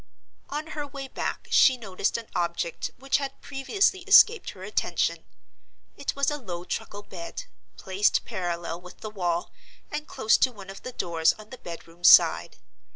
On her way back she noticed an object which had previously escaped her attention. It was a low truckle bed, placed parallel with the wall, and close to one of the doors on the bedroom side.